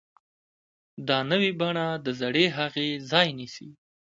دا نوې بڼه د زړې هغې ځای نیسي.